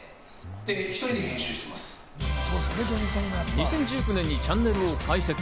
２０１９年にチャンネルを開設。